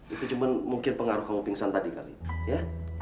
itu cuma mungkin pengaruh kamu pingsan tadi kali ya